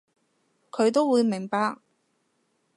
佢都會明白